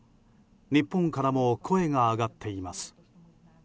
日本からも声が上がっています。